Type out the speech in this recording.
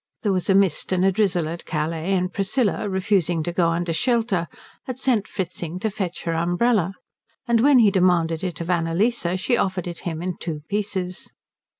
There was a mist and a drizzle at Calais, and Priscilla, refusing to go under shelter, had sent Fritzing to fetch her umbrella, and when he demanded it of Annalise, she offered it him in two pieces.